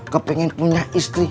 kepengen punya istri